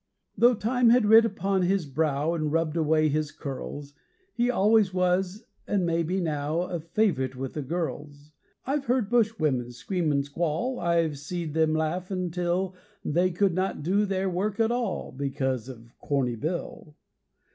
Though time had writ upon his brow And rubbed away his curls, He always was an' may be now A favourite with the girls; I've heard bush wimmin scream an' squall I've see'd 'em laugh until They could not do their work at all, Because of Corny Bill.